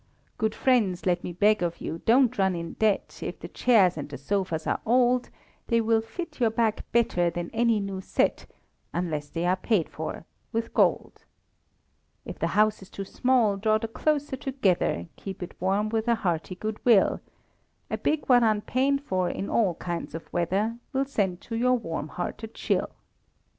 Good friends, let me beg of you, don't run in debt; If the chairs and the sofas are old, They will fit your back better than any new set, Unless they are paid for with gold; If the house is too small, draw the closer together, Keep it warm with a hearty good will; A big one unpaid for, in all kinds of weather, Will send to your warm heart a chill.